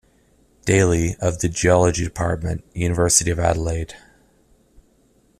Daily, of the Geology Department, University of Adelaide.